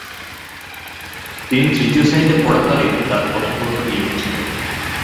তিনি তৃতীয় শ্রেণীতে পড়াকালীন তার প্রথম গল্পটি লিখেছিলেন।